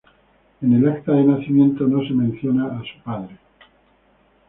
En el acta de nacimiento no se menciona a su padre.